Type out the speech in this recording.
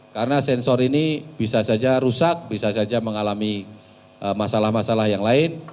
karena sensor ini bisa saja rusak bisa saja mengalami masalah masalah yang lain